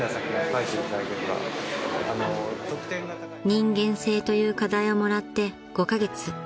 ［人間性という課題をもらって５カ月］